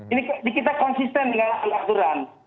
ini kita konsisten dengan aturan